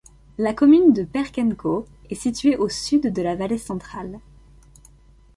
La commune de Perquenco est située au sud de la Vallée Centrale.